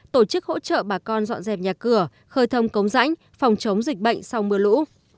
tổ chức hỗ trợ bà con dọn dẹp nhà cửa khơi thông cống rãnh phòng chống dịch bệnh sau mưa lũ